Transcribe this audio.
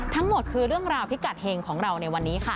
ทั้งหมดคือเรื่องราวพิกัดเฮงของเราในวันนี้ค่ะ